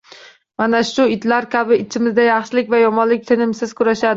Mana shu itlar kabi ichimizda yaxshilik va yomonlik tinimsiz kurashadi